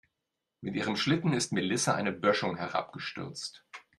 Mit ihrem Schlitten ist Melissa eine Böschung herabgestürzt.